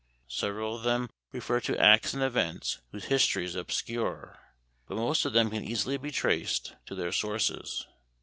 Several of them refer to acts and events whose history is obscure, but most of them can easily be traced to their sources.